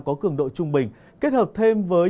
có cường độ trung bình kết hợp thêm với